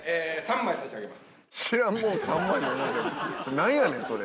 何やねんそれ。